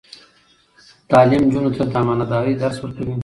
تعلیم نجونو ته د امانتدارۍ درس ورکوي.